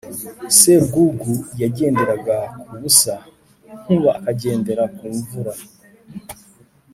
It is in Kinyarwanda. Sebwugugu yagenderaga ku busa Nkuba akagendera ku mvura